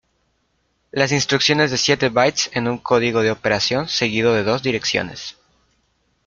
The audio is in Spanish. Las instrucciones de siete bytes en un código de operación seguido de dos direcciones.